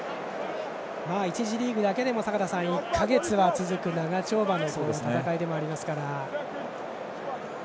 １次リーグだけでも、坂田さん１か月は続く長丁場の戦いでもありますから。